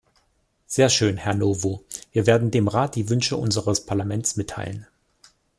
Sehr schön, Herr Novo, wir werden dem Rat die Wünsche unseres Parlaments mitteilen.